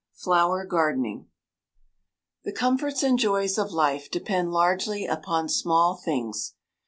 FLOWER GARDENING The comforts and joys of life depend largely upon small things.